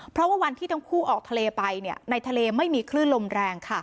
เพราะว่าวันที่ทั้งคู่ออกทะเลไปในทะเลไม่มีคลื่นลมแรง